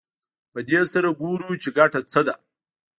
په دې سره ګورو چې ګټه څه ده